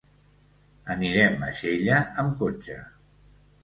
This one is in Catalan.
Anirem a Xella amb cotxe.